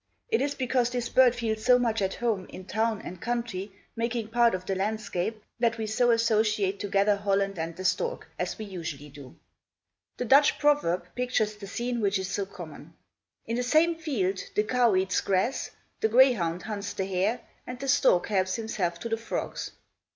It is because this bird feels so much at home, in town and country, making part of the landscape, that we so associate together Holland and the stork, as we usually do. The Dutch proverb pictures the scene, which is so common. "In the same field, the cow eats grass; the grayhound hunts the hare; and the stork helps himself to the frogs."